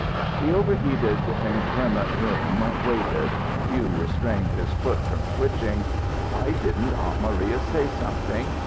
The overheated, inclement room waited. Hugh restrained his foot from twitching. Why didn't Aunt Maria say something?